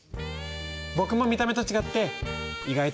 僕も見た目と違って意外と簡単なの。